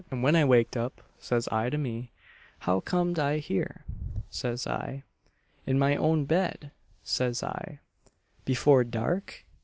And when I waked up, says I to me 'how comed I here,' says I, 'in my own bed,' says I, 'before dark?'